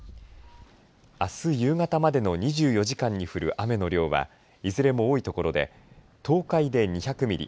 あす夕方までの２４時間に降る雨の量はいずれも多いところで東海で２００ミリ